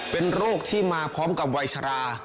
เป็นโรคที่มาพร้อมกับวัยชรา